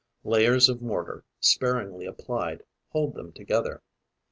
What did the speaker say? Layers of mortar, sparingly applied, hold them together.